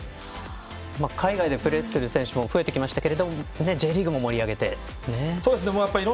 海外でプレーする選手も増えてきましたけどもＪリーグも盛り上げて。